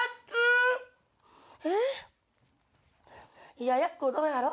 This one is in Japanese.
冷ややっこどうやろ？